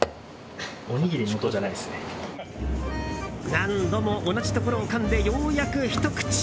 何度も同じところをかんでようやくひと口。